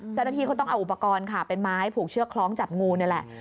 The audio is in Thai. เจ้าหน้าที่เขาต้องเอาอุปกรณ์ค่ะเป็นไม้ผูกเชือกคล้องจับงูนี่แหละ